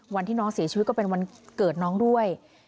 วันที่น้องเสียชีวิตก็เป็นวันเกิดน้องด้วย